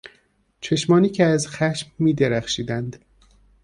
چشمانی که از خشم میدرخشیدند